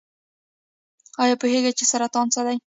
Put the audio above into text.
ایا پوهیږئ چې سرطان څه دی؟